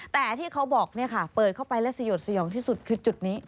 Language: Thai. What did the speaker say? แต่ที่เขาบอกเปิดเข้าไปและสยดสยองที่สุดคือจุดนี้